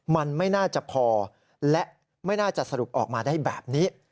มันไม่น่าจะพอและไม่น่าจะสรุปออกมาได้แบบนี้